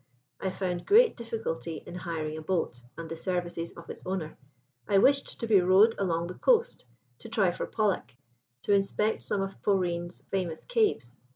"I found great difficulty in hiring a boat and the services of its owner. I wished to be rowed along the coast; to try for pollack; to inspect some of Polreen's famous caves.